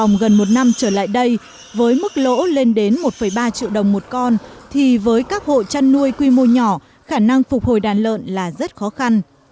gần một năm trở lại đây với mức lỗ lên đến một ba triệu đồng một con thì với các hộ chăn nuôi quy mô nhỏ khả năng phục hồi đàn lợn là rất khó khăn